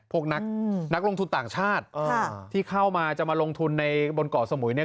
พวกนักลงทุนต่างชาติที่เข้ามาจะมาลงทุนในบนเกาะสมุยเนี่ย